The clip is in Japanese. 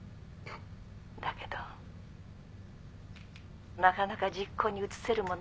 だけどなかなか実行に移せるものではないって。